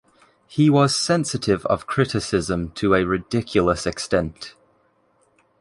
He was sensitive of criticism to a ridiculous extent.